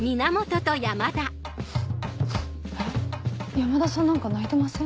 山田さん何か泣いてません？